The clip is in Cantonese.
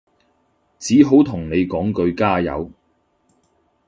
只好同你講句加油